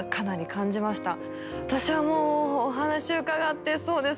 私はもうお話を伺ってそうですね